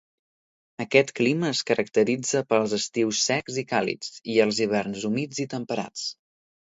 Aquest clima es caracteritza pels estius secs i càlids, i els hiverns humits i temperats.